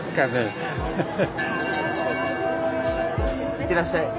いってらっしゃい。